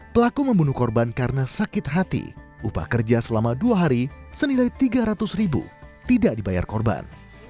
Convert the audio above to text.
pelaku membunuh korban karena sakit hati upah kerja selama dua hari senilai tiga ratus ribu tidak dibayar korban